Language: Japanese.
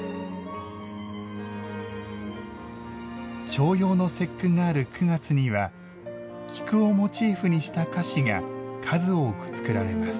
重陽の節句がある９月には菊をモチーフにした菓子が数多く作られます。